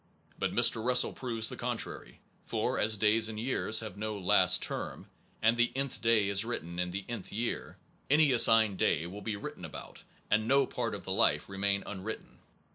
But Mr. Russell proves the contrary; for, as days and years have no last term, and the nth day is written in the nth year, any assigned day will be written about, and no part of the life remain unwritten.